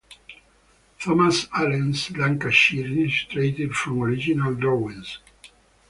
Thomas Allen's, Lancashire Illustrated, from Original Drawings.